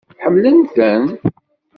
Ḥemmlen-ten?